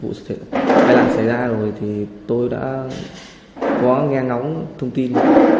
vụ tai nạn xảy ra rồi thì tôi đã có nghe nóng thông tin